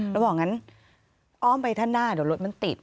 แล้วบอกงั้นอ้อมไปด้านหน้าเดี๋ยวรถมันติด